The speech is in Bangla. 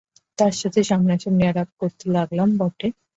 তার সঙ্গে সামনাসামনি আলাপ করতে লাগলাম বটে।